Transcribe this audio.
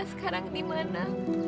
dia sekarang di mana